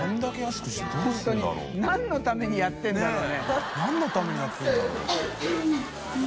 佑А何のためにやってるんだろう？